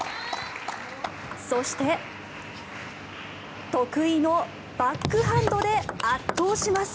そして、得意のバックハンドで圧倒します。